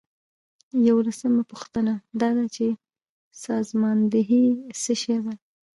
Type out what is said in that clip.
یوولسمه پوښتنه دا ده چې سازماندهي څه شی ده.